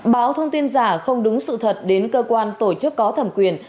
báo thông tin giả không đúng sự thật đến cơ quan tổ chức có thẩm quyền